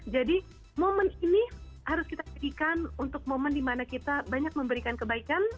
jadi momen ini harus kita sedihkan untuk momen dimana kita banyak memberikan kebaikan